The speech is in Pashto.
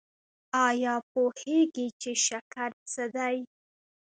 ایا پوهیږئ چې شکر څه دی؟